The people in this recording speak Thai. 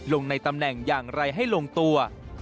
ในตำแหน่งอย่างไรให้ลงตัว